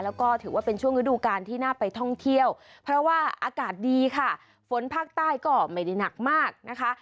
แล้วก็ถือว่าเป็นช่วงฤดูการที่น่าไปท่องเที่ยวเพราะว่าอากาศดีค่ะฝนภาคใต้ก็ไม่ได้หนักมากนะคะ